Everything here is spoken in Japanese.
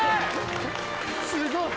すごい！